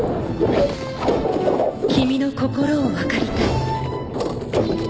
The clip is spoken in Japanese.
「君の心を分かりたい」。